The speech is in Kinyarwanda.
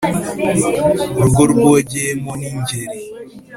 Rugo rwogeyemo n' Ingeri